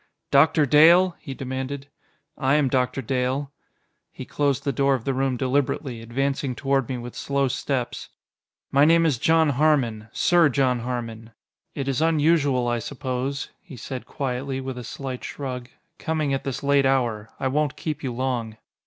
"Doctor Dale?" he demanded. "I am Doctor Dale." He closed the door of the room deliberately, advancing toward me with slow steps. "My name is John Harmon Sir John Harmon. It is unusual, I suppose," he said quietly, with a slight shrug, "coming at this late hour. I won't keep you long."